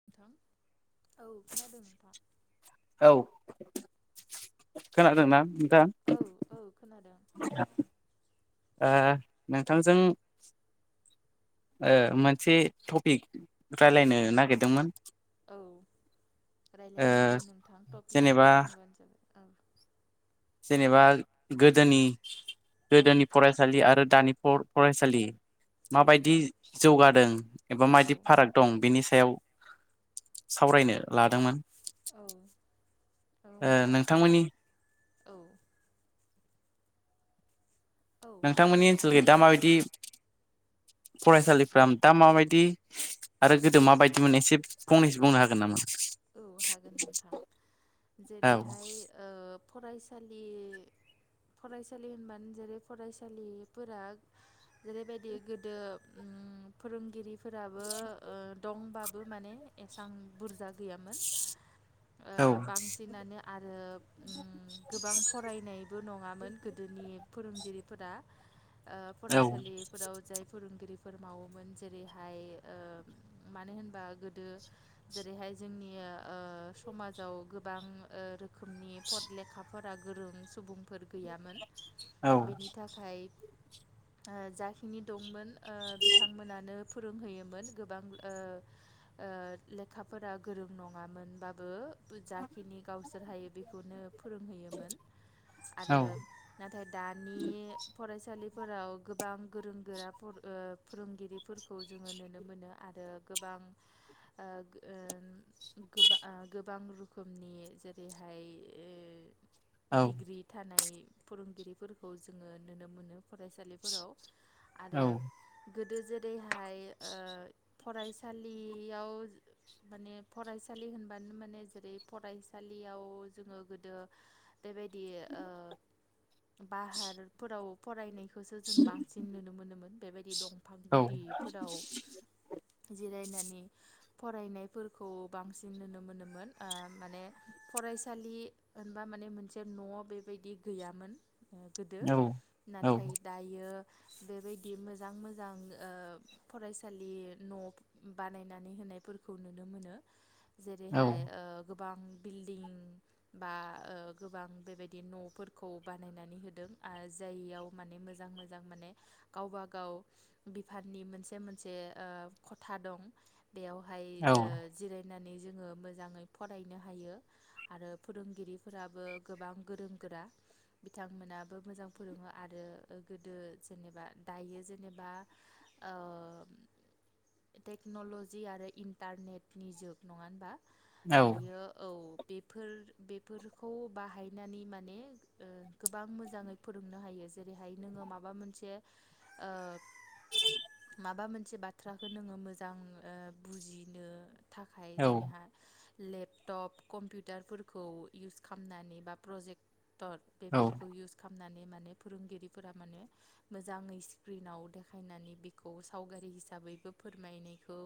नोंथां औ खानादों नोंथां औ खोनादोंना। औ औ खोनादों [unintelligible] ओ नोंथांजों ओ मोनसे टपिक औ रायलायनो नागिरदोंमोन औ ओ रायज्लायनो हागोन नोंथां टपिकखौ जेनेबा बुंब्लानो जाबाय औ जेनेबा गोदोनि गोदोनि औ फरायसालि आरो दानि फरायसालि औ माबायदि जौगादों एबा औ मायदि फाराग दं बेनि सायाव सावरायनो लादोंमोन औ औ ओ होनबा नोंथांमोननि औ। औ नोंथांमोननि खोनादों ओनसोलखौ दा माबायदि [unintelligible] फरायसालिफ्रा दा माबायदि आरो गोदो माबायदिमोन एसे फंनैसो बुंनो हागोन नामा? औ हागोन नोंथां औ जेरैहाय ओ फरायसालि फरायसालि होनबानो जेरै फरायसालिफोरा जेरैबायदि गोदो ओम ओम फोरोंगिरि फोराबो ओ दंबाबो माने एसबां बुरजा गैयामोन ओ औ बांसिनानो आरो गोबां फरायनायबो नङामोन गोदोनि फोर फोरोंगिरिफोरा औ फरायसालिफोराव जाय फोरोंगिरि फोर मावोमोन जेरैहाय मानो होनबा गोदो जेरैहाय जोंनिया ओ समाजाव गोबां रोखोमनि फट लेखाफोरा गोरों सुबुंफोर गैयामोन बेनि थाखाय जाखिनि दंमोन ओ बिथांमोनानो फोरोंहोयोमोन गोबां ओ ओ लेखाफोरा गोरों नङामोनबाबो जाखिनि गावसोर हायो बेखौनो फोरोंहैयोमोन औ आरो नाथाय दानि फरायसालि फोराव गोबां गोरों गोरा फोरोंगिरिफोरखौ जोङो नुनो मोनो आरो गोबां आं औ औ गोबां गोबां रोखोमनि जेरैहाय ओ औ डिग्रि थानाय फोरोंगिरिफोरखौ जोङो नुनो मोनो फरायसालिफोराव आरो औ गोद जेरैहाय ओ फरायसालियाव माने फरायसालि होनबानो माने जेरै फरायसालियाव जोङो गोदो बेबायदि ओ बाहारफोराव फरायनायखौसो जों बांसिन नुनो मोनोमोन बेबायदि दं। फ औ गुदिफोराव जिरायनानै फरायनाय खौ बांसिन नुनो मोनोमोन ओ माने फरायसालि होनबा माने मोनसे न' न' बेबायदि गैयामोन गोदो औ औ नाथाय दायो। बेबायदि मोजां मोजां ओ फरायसालि न' बानायनानै होन नायफोरखौ नुनो मोनो औ जेरैहाय ओ गोबां बिल्डिं बा गोबां बेबायदि न'फोरखौ बानायनानै होदों। ओ जाययाव माने मोजां मोजां माने गावबा गाव बिफाननि मोनसे मोनसे ओ ख'था दं बेवहाय औ ओ जिरायनानै जोङो मोजाङै फरायनो हायो आरो फोरोंगिरिफोराबो गोबां गोरों गोरा बिथांमोनाबो मोजां फोरोङो आरो गोदो जेनेबा दायो जेनेबा ओ टेक्नलजि आरो इन्टारनेटनि जुग नङा होनबा औ दायो औ बेफोर बेफोरखौ बाहायनानै माने ओ गोबां मोजाङै फोरोंनो हायो। जेरैहाय नोङो माबा मोनसे ओ [unintelligible] माबा मोनसे बाथ्राखौ नोङो मोजां बुजिनो थाखाय औ जेनेहा लेपटप कम्पिउटारफोरखौ इउस खालामनानै बा प्रजेक्ट तर औ पेफफोरखौ इउस खालामनानै नानै माने फोरोंगिरिफोरा माने मोजाङै स्क्रिनाव देखायनानै बेखौ सावगारि हिसाबैबो फोरमायनायखौ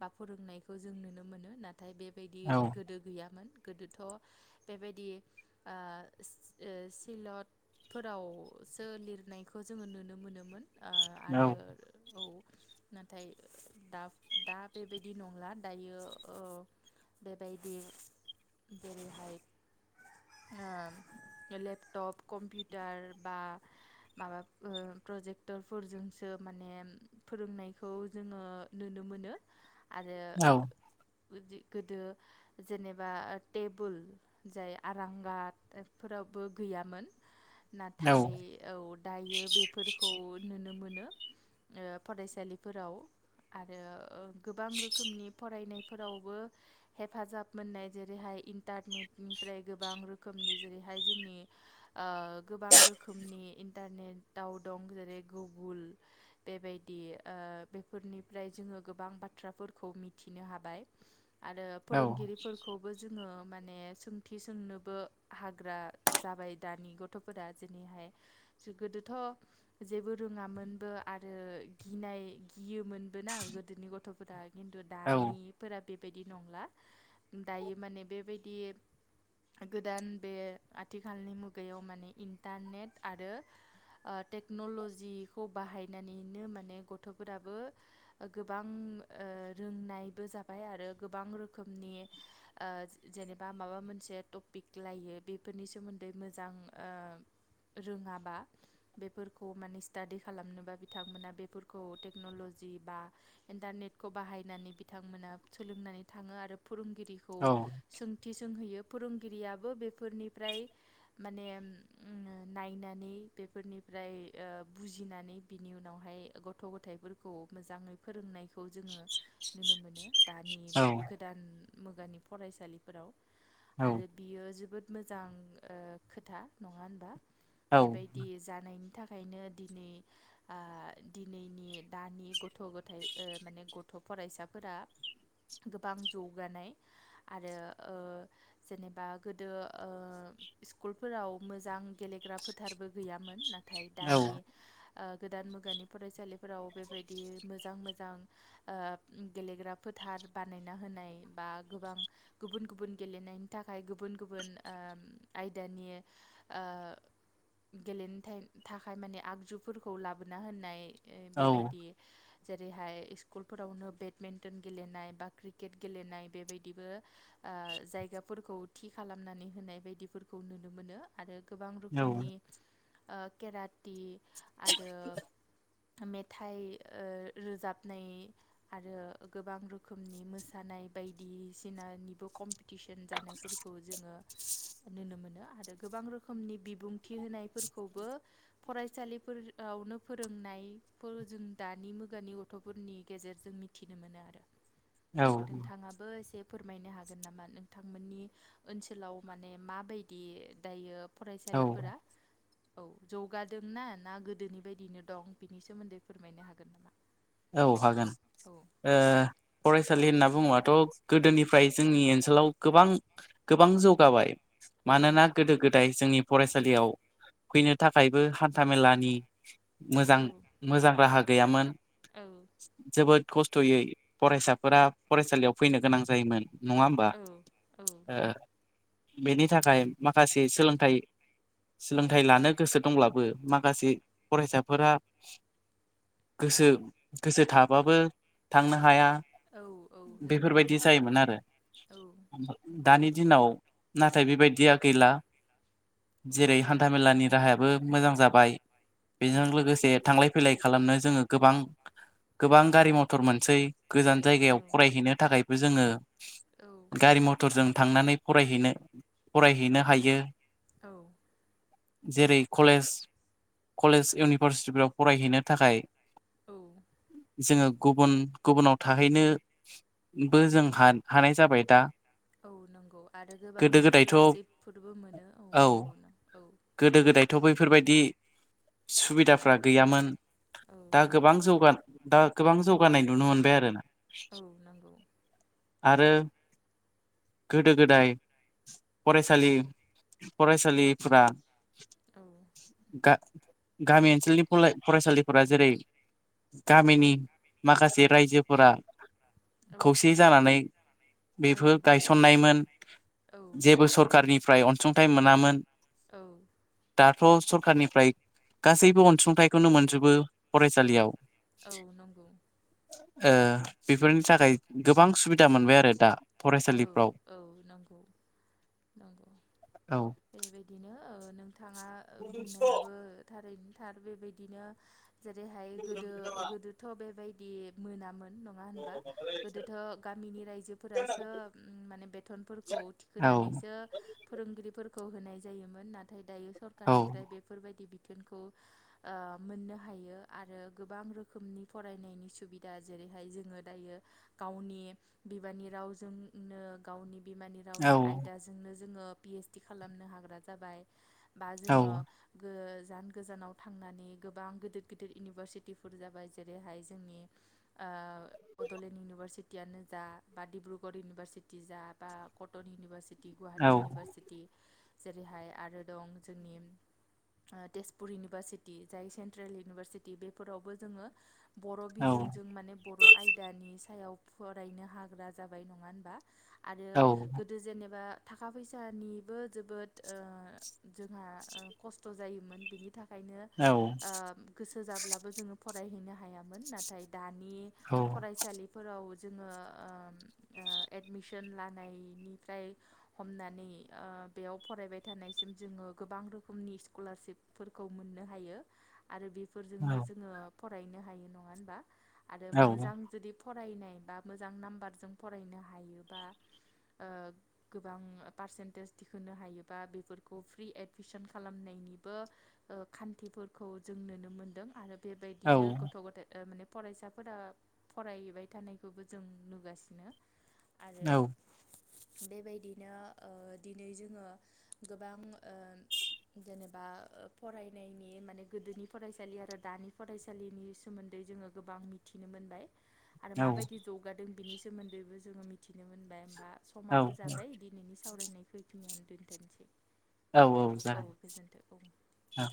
बा फोरोंनायखौ जों नुनो मोनो नाथाय बेबायदि गोदो गैयामोन गोदोथ' बेबायदि ओ सिलद फोरावसो लिरनायखौ जोङो नुनो मोनोमोन। औ आरो औ नाथाय दा दा बेबायदि नंला दायो ओ बेबायदि जेरैहाय ओ लेपटप कम्पिउटार बा माबा ओ प्रजेक्टरफोरजोंसो माने फोरोंनायखौ जोङो नु नुनो मोनो। आरो गोदो जेनेबा टेबोल जाय आरांगाफोराव गैयामोन नाथाय औ दायो बेफोरखौ नुनो मोनो फरायसालिफोराव आरो ओ गोबां रोखोमनि फरायनायफोरावबो हेफाजाब मोननाय जेरैहाय इन्टारनेटनिफ्राय गोबां रोखोमनि जेरैहाय जोंनि ओ गोबां रोखोमनि इन्टारनेट दं जेरै गुगोल बेबायदि बेफोरनिफ्राय जोङो गोबां बाथ्रा बाथ्राफोरखौ मिथिनो हाबाय आरो फोरोंगिरिफोरखौबो जोङो माने सोंथि सोंनोबो हाग्रा जाबाय दानि गथ'फोरा जेनैहाय गोदोथ' जेबो रोङामोनबो आरो गिनाय गियोमोन बोन गोदोनि गथ'फोरा खिन्थु दानिफोरा बेबायदि नंला दायो माने बेबायदि गोदान बे आथिखालनि मुगायाव माने इन्टारनेट आरो ओ टेक्न'ल'जिखौ बाहायनानैनो माने गथ'फोराबो गोबां रोंनायबो जाबाय आरो गोबां रोखोमनि जेनेबा माबा मोनसे से टपिक लायो बेफोरनि सोमोन्दै मोजां ओ रोङाबा बेफोरखौ माने स्टाडि खालामनोबा बिथांमोना बेफोरखौ टेक्नलजि बा इन्टारनेट खौ बाहायनानै बिथांमोना सोलोंनानै थाङो आरो फोरोंगिरिखौ औ सोंथि सोंहैयो। फोरोंगिरियाबो बेफोरनिफ्राय माने नायनानै बेफोरनि ओमफ्राय ओ बुजिनानै बिनि उनावहाय गथ' गथायाइफोरखौ मोजाङै फोरोंनाय खौ जोङो नुनो मोनो दानि गोदान मुगानि फरायसालिफोराव। आरो बियो जोबोद मोजां ओ खोथा नङा होनबा? बेबायदि जानायनि थाखा यनो दिनै आ दिनैनि दानि गथ' गथायाइ ओ माने गथ' फरायसाफोरा गोबां जौगानाय आरो ओ जेनेबा गोदो ओ स्कुलफोराव मोजां गेलेग्रा फोथारबो गैयामोन ना नाथाय दानि ओ गोदान मुगानि फरायसालिफोराव बेबायदि मोजां मो मोजां ओ गेलेग्रा फोथार बानायना होनाय बा गोबां गुबुन गुबुन गेलेनायनि थाखाय गुबुन गुबुन गुबुन ओ आयदानि ओ गेलेनो थाइम थाखाय माने आगजुफोरखौ लाबोना होननाय बेबायदि जेरैहाय स्कुलफोरावनो बेडमिन्टन गेलेनाय बा क्रिकेट गेलेनाय बेबायदिबो ओ आ जायगाफोरखौ थि खालामनानै होनाय बायदिफोरखौ नुनो मोनो आरो गोबां रोखोमनि ओ केराटि आरो मेथाइ ओ रोजाबनाय आरो गोबां रोखोमनि मोसानाय बायदिसिनानिबो कमपि थिसन जानायफोरखौ जोङो नुनो मोनो आरो गोबां रोखोमनि बिबुंथि होनायफोरखौबो फरायसालिफोराव नो फोरोंनायफोर जों दानि मु गानि गथ'फोरनि गेजेरजों मिथिनो मोनो आरो औ नोंथाङाबो एसे फोरमायनो हागोन नामा नोंथांमोननि ओनसोलाव माने माबायदि दायो औ फरायसालिफोरा? औ जौगादोंना ना गोदोनि बायदिनो दं बिनि सोमोन्दै फोरमायनो हागोन नामा? औ हागोन औ ओ फरायसालि होनना बुङोबाथ' गोदोनिफ्राय जोंनि ओनसोलाव गोबां गोबां जौगाबाय औ मानोना गोदो गोदाय जोंनि फरायसालियाव फैनो थाखायबो हान्था मेलानि मोजां औ मोजां राहा गैयामोन औ जोबोद खस्थ'यै फरायसाफोरा फरायसालियाव फैनो गोनां जायोमोन। नङा होमबा औ ओ औ बेनि थाखाय माखासे सोलोंथाइ सोलोंथाइ लानो गोसो दंब्लाबो माखासे फरायसाफोरा गोसो गोसो थाबाबो थांनो हाया औ औ नंगौ बेफोरबायदि जायोमोन आरो औ दानि दिनाव नाथाय बेबायदिया गैला। औ जेरै हान्था मेलानि राहायाबो मोजां जाबाय औ बेजों लोगोसे थांलाय फैलाय खालामनो जोङो गोबां गोबां गारि मथर मोनसै गोजान जायगायाव फरायहैनो थाखायबो जोङो औ गारि मथरजों थांनानै फरायहैनो फरायहैनो हायो। औ। जेरै कलेज कलेज इउनिभारसिटिफोराव फरायहैनो थाखाय। औ। जोंङो गुबुन गुबुनाव थाहैनोबो जों हानाय जाबाय दा। औ नंगौ आरो गोबां गोदो गोदायथ' औ स्कलारशिपफोरबो मोनो औ नंगौ न औ। गोदो गोदायथ' बैफोरबायदि सुबिदाफ्रा गैयामोन। औ दा नंगौ गोबां जौगा दा गोबां जौगानाय नुनो मोनबाय आरो ना। औ नंगौ। आरो। गोदो गोदाय फरायसालि फरायसालिफोरा। औ [inaudible] गा गामि ओनसोलनि फरायसालिफोरा जेरै। गामिनि माखासे रायजोफोरा औ खौसे जानानै। औ बेफोर गायसननायमोन औ जेबो सरखारारनिफ्राय अनसुंथाइ मोनामोन। औ। दाथ' सरखारारनिफ्राय गासैबो अनसुंथाइखौनो मोनजोबो फराय। औ औ नंगौ। ओ बेफोरनि थाखाय गोबां सुबिदा मोनबाय आरो दा। औ फरायसालिफ्राव औ नंगौ औ बेबायदिनो। ओ नोंथाङा ओ बुंनायाबो थारैनो थार बेबायदिनो। जेरैहाय गोदो गोदोथ' बेबायदि मोनामोन। नङा ओमबा गामनि रायजोफोरा। ओ माने बेथन फोरखौ गामिनिफ्राय औ थिखोनानैसो फोरोंगिरिफोरनो। खौ होनाय जायोमोन नाथाय दायो औ सरखारनिफ्राय बेफोरबायदि। बिथोनखौ मोननो हायो आरो गोबां रोखोमनि फरायनायनि सुबिदा जेरै। ओमफाय जोंङो दायो गावनि बिमानि रावजों। जोंनो गावनि बिमानि औ रावनि आयदाजोंनो। जोंङो पिओइसडि खालामनो हाग्रा जाबाय बा औ जोंङो। गोजान गोजानाव थांनानै गोबां गिदिर गिदिर इउनिभारसिटिफोर जाबाय जेरैहाय जोंनि आ। आबड'लेण्ड इउनिभारसिटियानो जा बाडिरुगर। ग इउनिभारसिटि जा बा कटन इउनिभारसिटि औ गुवाहाटी इउनिभारसिटि। जेरैहाय आरो दं जोंनि। तेजपुर इउनिभारसिटि जाय सेन्ट्रेल इउनिभारसिटि बेफोरावबो जोंङो। बर औ बिजोंजों माने बर' आयदानि सायाव फरायनो हाग्रा जाबाय नंङा होनबा। आरो औ गोदो जेनेबा। थाखा फैसानिबो जोबोद ओ जोंहा ओ खस्थ जायोमोन बिनि। थाखायनो ओ गोसो जाब्लाबो जोंङो फरायहैनो हायामोन नाथाय दा। नि औ फरायसालिफोराव जोंङो ओ उम। ओ एडमिसन लानायनिफ्राय हमनानै ओ बेयाव फरायबाय थानाय। सिम जोंङो गोबां रोखोमनि स्कलारशिपफोरखौ मोननो हायो। आरो बेफोरजोंनो जोंङो फरायनो हायो नंङा होनबा आरो औ मोजां जुदि। फरायनाय बा मोजां नाम्बारजों फरायनो हायोबा। ओ गोबां पारसेन्टेज दिहुनो हायोबा बेफोरखौ फ्रि एडमिसन खालामनाय। बेबो ओ खानतिफोरखौ जों नुनो मोनदों आरो बेबायदिनो गथ' गथा ओ माने। फरायसाफोरा फरायबाय थानायखौबो जों नुगासिनो। आरो। बेबायदिनो ओ दिनै जोंङो गोबां ओ। जेनेबा फरायनायनि माने गोदोनि फरायसालि आरो दानि फरायसालिनि सोमोन्दै। जोंङो गोबां मिथिनो मोनबाय। आरो औ औ माबायदि जौगादों बिनि सोमोन्दैबो जोंङो मिथिनो मोनबाय होमबा समाबो जाबाय दिनैनि सावरायनायखौ बेखिनियावनो दोनथ'सै औ औ जागोन औ।